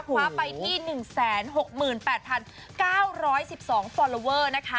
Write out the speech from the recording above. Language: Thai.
คว้าไปที่๑๖๘๙๑๒ฟอลลอเวอร์นะคะ